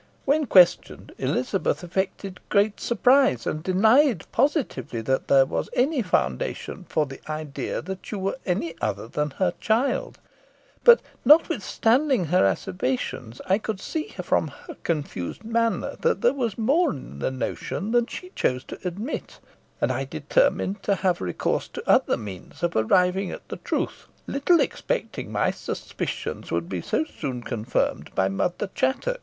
When questioned, Elizabeth affected great surprise, and denied positively that there was any foundation for the idea that you were other than her child; but, notwithstanding her asseverations, I could see from her confused manner that there was more in the notion than she chose to admit, and I determined to have recourse to other means of arriving at the truth, little expecting my suspicions would be so soon confirmed by Mother Chattox.